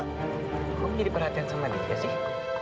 kok jadi perhatian sama dia sih